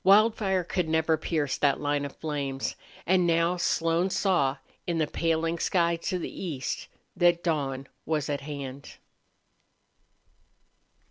Wildfire could never pierce that line of flames. And now Slone saw, in the paling sky to the east, that dawn was at hand.